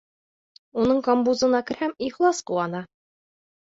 Уның камбузына керһәм, ихлас ҡыуана.